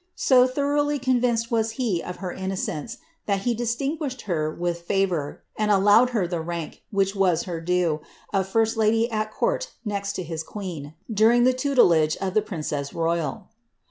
so thoroughly convinced was he of her innocence, that he distinguished her with favour, and allowed her the rank, which was her due, of first lady at court next to his queen, during the tutelage of the princess royal.